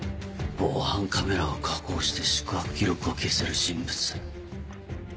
防犯カメラを加工して宿泊記録を消せる人物。